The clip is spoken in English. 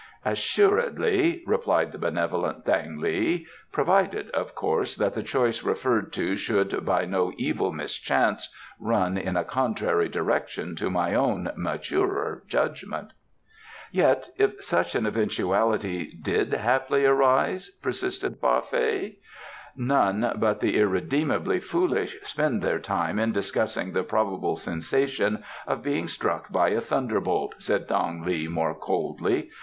"Assuredly," replied the benevolent Thang li. "Provided, of course, that the choice referred to should by no evil mischance run in a contrary direction to my own maturer judgment." "Yet if such an eventuality did haply arise?" persisted Fa Fei. "None but the irredeemably foolish spend their time in discussing the probable sensation of being struck by a thunderbolt," said Thang li more coldly.